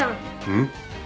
うん？